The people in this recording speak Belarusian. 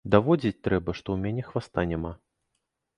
Даводзіць трэба, што ў мяне хваста няма.